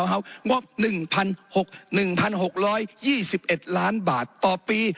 ฮาวงบหนึ่งพันหกหนึ่งพันหกร้อยยี่สิบเอ็ดล้านบาทต่อปี